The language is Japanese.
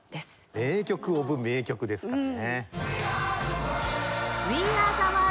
名曲オブ名曲ですからね。